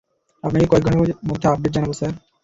আপনাকে কয়েক ঘন্টার মধ্যে আপডেট জানাবো, স্যার।